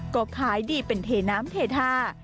ก็ขายดีเป็นเทน้ำเททา